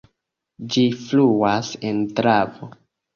Ĝi fluas en Dravo.